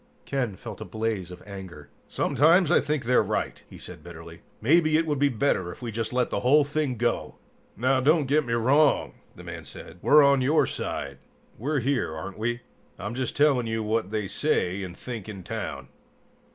Ken felt a blaze of anger. "Sometimes, I think they're right!" he said bitterly. "Maybe it would be better if we just let the whole thing go!" "Now don't get me wrong," the man said. "We're on your side. We're here, aren't we? I'm just telling you what they say and think in town."